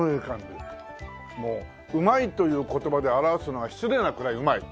もううまいという言葉で表すのが失礼なくらいうまい。